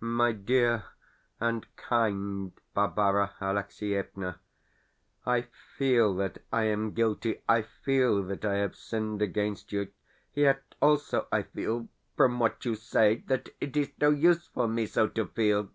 MY DEAR AND KIND BARBARA ALEXIEVNA, I feel that I am guilty, I feel that I have sinned against you. Yet also I feel, from what you say, that it is no use for me so to feel.